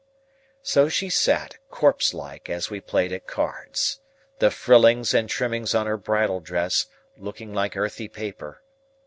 So she sat, corpse like, as we played at cards; the frillings and trimmings on her bridal dress, looking like earthy paper.